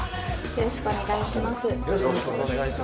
よろしくお願いします。